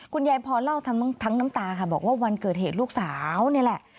คุณยายพรเล่าทั้งน้ำตาค่ะบอกว่าวันเกิดเหตุลูกสาวนี่แหละ